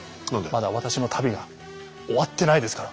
まだ私の旅が終わってないですから。